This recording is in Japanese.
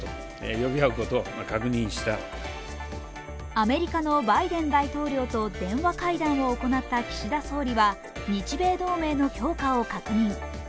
アメリカのバイデン大統領と電話会談を行った岸田総理は日米同盟の強化を確認。